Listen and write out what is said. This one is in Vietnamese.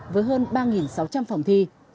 với hơn ba sáu trăm linh phòng thi